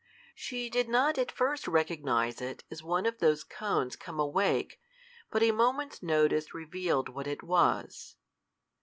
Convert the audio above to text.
She did not at first recognize it as one of those cones come awake, but a moment's notice revealed what it was.